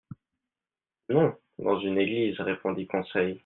—Non, dans une église, répondit Conseil.